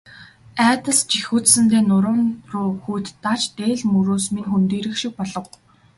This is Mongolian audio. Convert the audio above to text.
Айдас жихүүдсэндээ нуруу руу хүйт дааж, дээл мөрөөс минь хөндийрөх шиг болов.